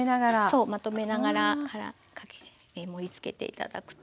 そうまとめながら盛りつけて頂くといいかな。